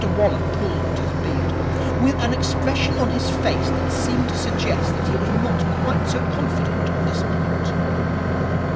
Mr Waller pulled at his beard, with an expression on his face that seemed to suggest that he was not quite so confident on this point.